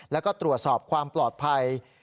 แล้วก็ตรวจสอบความปลอดภัย